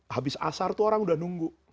habis asar tuh orang udah nunggu